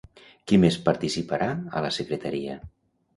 Qui més participarà a la secretaria?